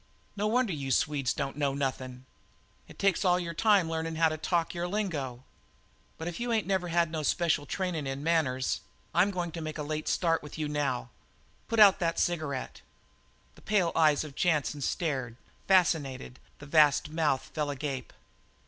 No wonder you Swedes don't know nothin'. It takes all your time learnin' how to talk your lingo. But if you ain't never had no special trainin' in manners, I'm goin' to make a late start with you now. Put out that cigarette!" The pale eyes of Jansen stared, fascinated; the vast mouth fell agape.